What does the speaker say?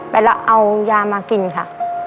ไปแล้วเอายามากินค่ะ